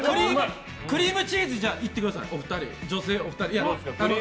クリームチーズいってください、お二人。